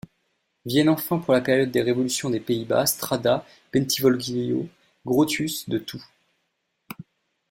Viennent enfin pour la période des révolutions des pays-Bas Strada, Bentivolglio, Grotius, de Thou.